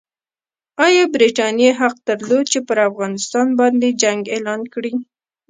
ایا برټانیې حق درلود چې پر افغانستان باندې جنګ اعلان کړي؟